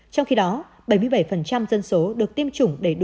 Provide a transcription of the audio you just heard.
trong khi đó bảy mươi bảy dân số được tiêm chủng đầy đủ